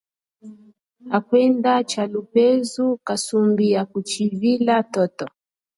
Kwenda tshalupezu kasumbi ya tshivila toto.